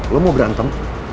lo mau berantem